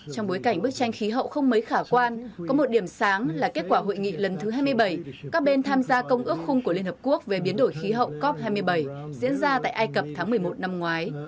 trong bối cảnh bức tranh khí hậu không mấy khả quan có một điểm sáng là kết quả hội nghị lần thứ hai mươi bảy các bên tham gia công ước khung của liên hợp quốc về biến đổi khí hậu cop hai mươi bảy diễn ra tại ai cập tháng một mươi một năm ngoái